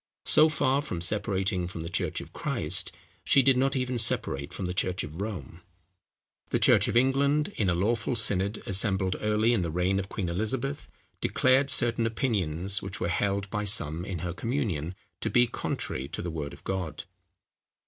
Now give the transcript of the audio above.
So far from separating from the church of Christ, she did not even separate from the church of Rome. The church of England, in a lawful synod, assembled early in the reign of Queen Elizabeth, declared certain opinions, which were held by some in her communion, to be contrary to the word of God.